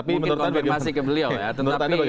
mungkin konfirmasi ke beliau ya tetapi